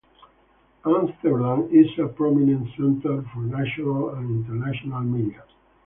Amsterdam is a prominent centre for national and international media.